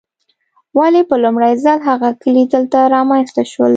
ولې په لومړي ځل هغه کلي دلته رامنځته شول.